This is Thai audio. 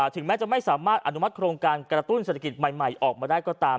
ถึงแม้จะไม่สามารถอนุมัติโครงการกระตุ้นเศรษฐกิจใหม่ออกมาได้ก็ตาม